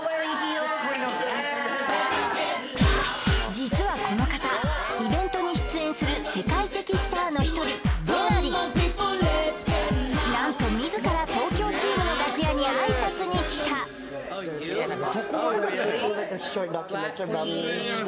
実はこの方イベントに出演する世界的スターの１人なんと自ら東京チームの楽屋に挨拶に来たＹｏｕ？